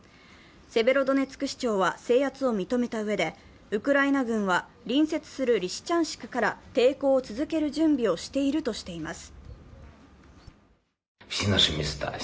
セベロドネツク市長は制圧を認めたうえでウクライナ軍は隣接するリシチャンシクから抵抗を続ける準備をしているとしています。